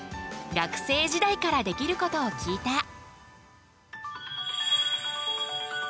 学生時代からできることを聞いた。